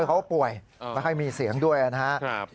เขาไม่มีเสียงด้วยนะครับ